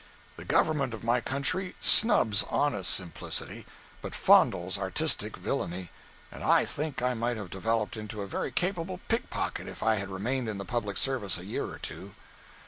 The government of my country snubs honest simplicity but fondles artistic villainy, and I think I might have developed into a very capable pickpocket if I had remained in the public service a year or two.